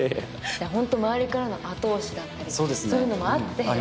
ほんと周りからの後押しだったりそういうのものあって？